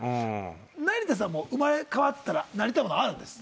成田さんも生まれ変わったらなりたいものあるんです。